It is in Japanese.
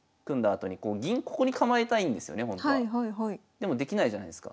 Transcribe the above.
でもできないじゃないですか。